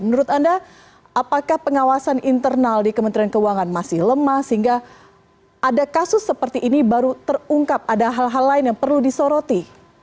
menurut anda apakah pengawasan internal di kementerian keuangan masih lemah sehingga ada kasus seperti ini baru terungkap ada hal hal lain yang perlu disoroti